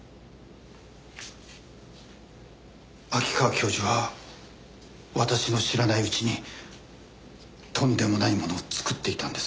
秋川教授は私の知らないうちにとんでもないものを作っていたんです。